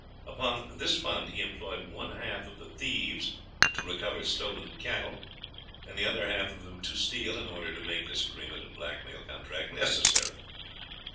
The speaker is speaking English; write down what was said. Upon this fund he employed one half of the thieves to recover stolen cattle, and the other half of them to steal, in order to make this agreement and black mail contract necessary.